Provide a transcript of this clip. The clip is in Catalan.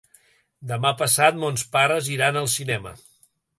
Demà passat mons pares iran al cinema.